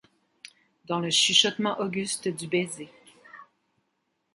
Dans le chuchotement auguste du baiser.